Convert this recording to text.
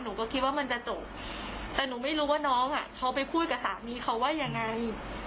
หนูก็คิดว่ามันจะจบแต่หนูไม่รู้ว่าน้องอ่ะเขาไปพูดกับสามีเขาว่ายังไง